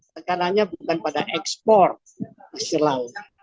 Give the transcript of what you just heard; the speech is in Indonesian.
tekanannya bukan pada ekspor hasil laut